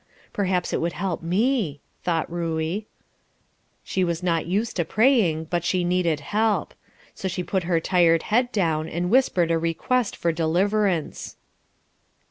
"Perhaps it would help me," thought Ruey. She was not used to praying, but she needed help. So she put her tired head down, and whispered a request for deliverance.